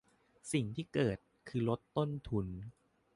สิ่งที่เกิดคือลดต้นทุน